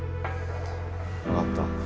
分かった。